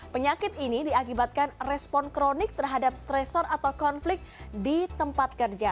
penyakit ini diakibatkan respon kronik terhadap stresor atau konflik di tempat kerja